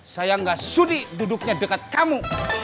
saya gak sulit duduknya dekat kamu